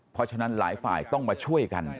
เพราะฉะนั้นหลายฝ่ายต้องมาช่วยกัน